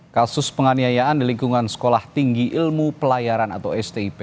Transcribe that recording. kasus penganiayaan di lingkungan sekolah tinggi ilmu pelayaran atau stip